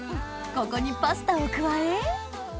ここにパスタを加え